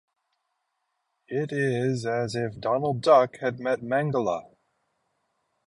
It is as if Donald Duck had met Mengele.